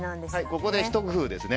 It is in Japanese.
ここで、ひと工夫ですね。